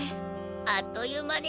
あっという間ね。